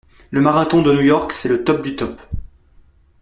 Le marathon de New York, c'est le top du top.